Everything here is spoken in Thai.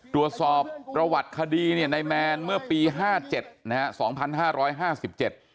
ตรวจสอบประวัติคดีเนี่ยในแมนเมื่อปี๕๗นะฮะ๒๕๕๗